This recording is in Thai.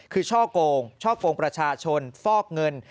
คือช่อกงช่อกงประชาชนฟอกเงิน